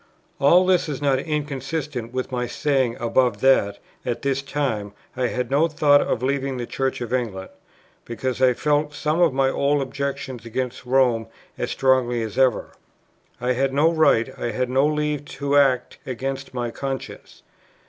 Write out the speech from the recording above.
All this is not inconsistent with my saying above that, at this time, I had no thought of leaving the Church of England; because I felt some of my old objections against Rome as strongly as ever. I had no right, I had no leave, to act against my conscience.